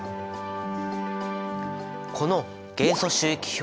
この元素周期表。